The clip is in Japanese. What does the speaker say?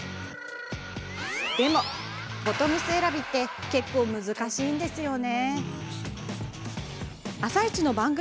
でもボトムス選びって結構、難しいんですよね。